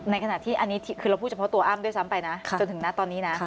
ในขณะที่อันนี้คือเราพูดเฉพาะตัวอ้ำด้วยซ้ำไปนะจนถึงนะตอนนี้นะ